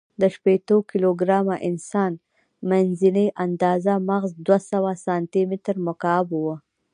د شپېتو کیلو ګرامه انسان، منځنۍ آندازه مغز دوهسوه سانتي متر مکعب و.